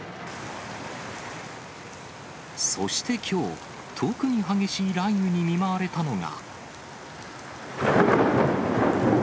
そしてきょう、特に激しい雷雨に見舞われたのが。